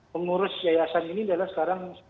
pengurus yayasan ini adalah sekarang